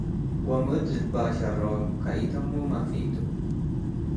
ወምእት ልትባሸሮም ከኢተሙመ ፊቱ፣